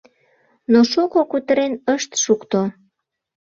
Но шуко кутырен ышт шукто.